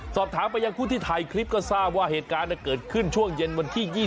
สอบถามไปยังผู้ที่ถ่ายคลิปก็ทราบว่าเหตุการณ์เกิดขึ้นช่วงเย็นวันที่๒๒